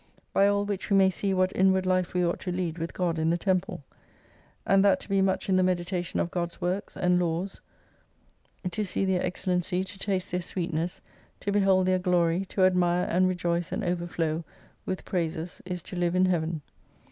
By all which we may see what inward life we ought to lead with God in the Temple. And that to be much in the meditation of God's works, and laws, to see their excellency, to taste their sweetness, to behold their glory, to admire, and rejoice and overflow with praises is to live in Heaven.